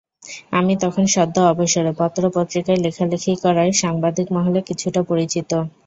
আমি তখন সদ্য অবসরে, পত্রপত্রিকায় লেখালেখি করায় সাংবাদিক মহলে কিছুটা পরিচিত।